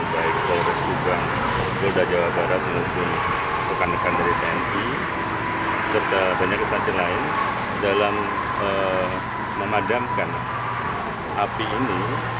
baik polres juga polda jawa barat dan juga pekan pekan dari tni serta banyak instansi lain dalam memadamkan api ini